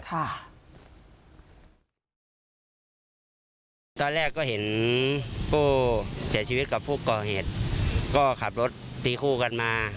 ตอนแรกก็เห็นผู้เสียชีวิตกับผู้ก่อเหตุก็ขับรถตีคู่กันมา